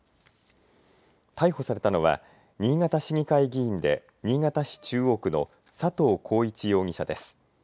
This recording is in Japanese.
逮捕されたのは新潟市議会議員で新潟市中央区の佐藤耕一容疑者です。